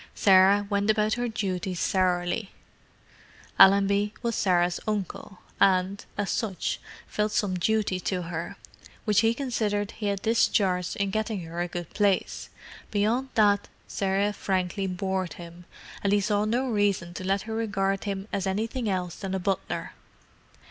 Sarah went about her duties sourly. Allenby was Sarah's uncle, and, as such, felt some duty to her, which he considered he had discharged in getting her a good place; beyond that, Sarah frankly bored him, and he saw no reason to let her regard him as anything else than a butler.